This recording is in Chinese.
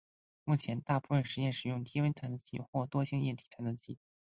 目前大部分的实验使用低温探测器或惰性液体探测器。